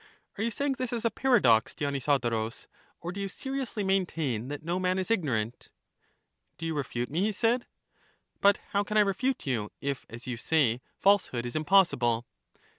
Are you saying this as a paradox, Dionysodorus; or do you seriously maintain that no man is ignorant? Do you refute me? he said. But how can I refute you, if. as you say, falsehood is impossible